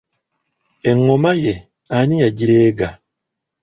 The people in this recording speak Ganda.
Engoma ye ani yagireega?